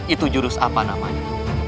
itu jurus apa namanya